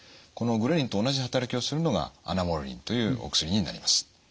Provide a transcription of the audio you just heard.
このグレリンと同じ働きをするのがアナモレリンというお薬になります。